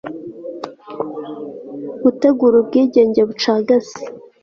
gutegura ubwigenge bucagase